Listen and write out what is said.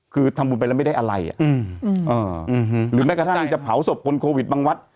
คือทำบุญไปแล้วไม่ได้อะไรหรือแม้กระทั่งจะเผาศพคนโควิดบางวัด